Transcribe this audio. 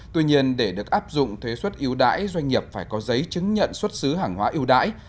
tuy nhiên để được áp dụng thuế xuất yêu đãi doanh nghiệp phải có giấy chứng nhận xuất xứ hàng hóa yêu đãi